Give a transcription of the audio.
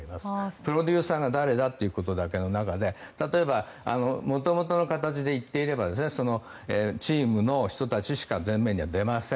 プロデューサーが誰だってことだけの中で例えば、元々の形で行っていればチームの人たちしか前面に出ません。